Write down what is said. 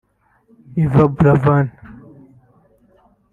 Yvan Buravan